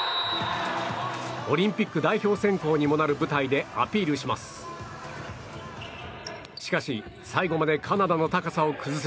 オリンピック代表選考にもなる舞台でアピールします。